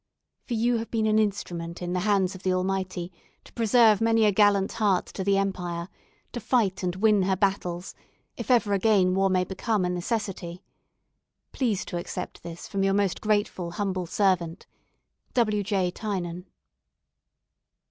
For you have been an instrument in the hands of the Almighty to preserve many a gallant heart to the empire, to fight and win her battles, if ever again war may become a necessity. Please to accept this from your most grateful humble servant, "W. J. Tynan."